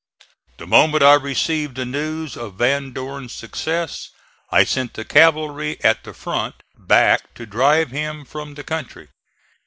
The moment I received the news of Van Dorn's success I sent the cavalry at the front back to drive him from the country.